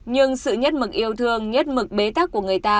nhưng sự nhất mực yêu thương nhất mực bế tắc của người ta